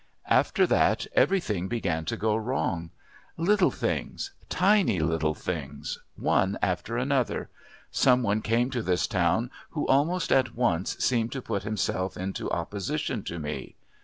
"After that everything began to go wrong. Little things, little tiny things one after another. Some one came to this town who almost at once seemed to put himself into opposition to me."